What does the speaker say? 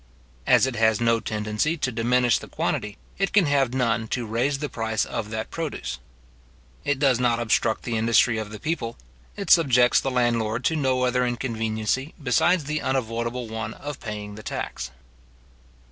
As it has no tendency to diminish the quantity, it can have none to raise the price of that produce. It does not obstruct the industry of the people; it subjects the landlord to no other inconveniency besides the unavoidable one of paying the tax.